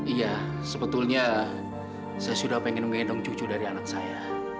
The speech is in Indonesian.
iya sebetulnya saya sudah pengen menggendong cucu dari anak saya